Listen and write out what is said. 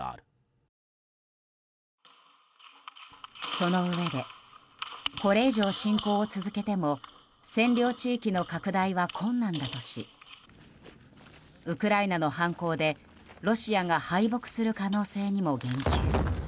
そのうえでこれ以上、侵攻を続けても占領地域の拡大は困難だとしウクライナの反攻でロシアが敗北する可能性にも言及。